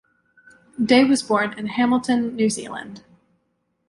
Day was born in Hamilton, New Zealand.